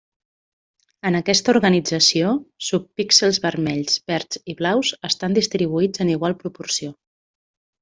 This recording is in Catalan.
En aquesta organització, subpíxels vermells, verds i blaus estan distribuïts en igual proporció.